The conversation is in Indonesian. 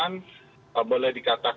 yang diperbentukkan oleh pendirian pemerintahan